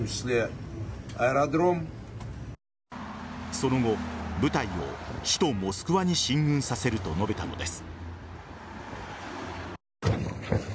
その後、部隊を首都・モスクワに進軍させると述べたのです。